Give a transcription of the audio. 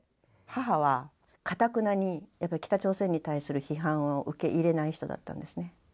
母はかたくなに北朝鮮に対する批判を受け入れない人だったんですね。